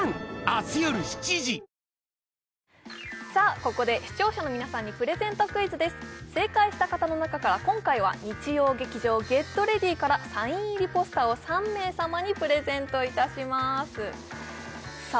ここで視聴者の皆さんにプレゼントクイズです正解した方の中から今回は日曜劇場「ＧｅｔＲｅａｄｙ！」からサイン入りポスターを３名様にプレゼントいたしますさあ